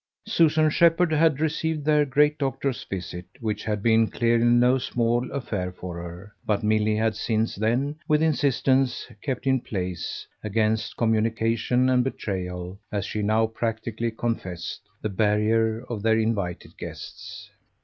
Susan Shepherd had received their great doctor's visit, which had been clearly no small affair for her; but Milly had since then, with insistence, kept in place, against communication and betrayal, as she now practically confessed, the barrier of their invited guests.